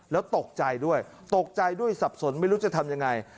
แล้วตกใจด้วยตกใจด้วยสับสนไม่รู้จะทำยังไง